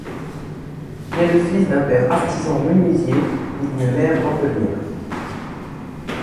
Il est le fils d'un père artisan menuisier et d'une mère dentellière.